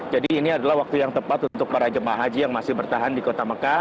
jadi ini adalah waktu yang tepat untuk para jemaah haji yang masih bertahan di kota mekah